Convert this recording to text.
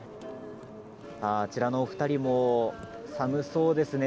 あちらの２人も寒そうですね。